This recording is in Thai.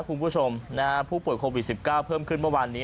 คุณผู้ชมผู้ป่วยโควิด๑๙เพิ่มขึ้นเมื่อวานนี้